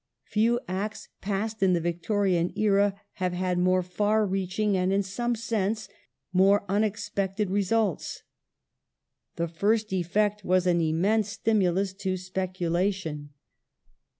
Few Acts passed in the Victorian era have had more far reaching and in some sense more unexpected results. The first effect was an immense stimulus to speculation.